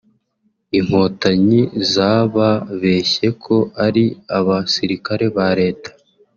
Inkotanyi zababeshye ko ari abasirikare ba leta